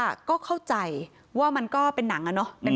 ภาพยนตร์เข้าใจว่ามันก็เป็นหนัง